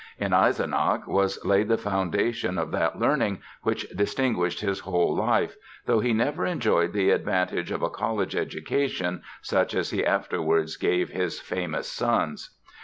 In Eisenach was laid the foundation of that learning which distinguished his whole life, though he never enjoyed the advantage of a college education such as he afterwards gave his famous sons.